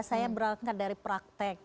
saya berangkat dari praktek